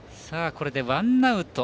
これでワンアウト。